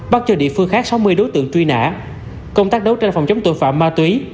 bắt cho địa phương khác sáu mươi đối tượng truy nã công tác đấu tranh phòng chống tội phạm ma túy